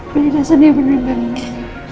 penyedasan dia benar benarnya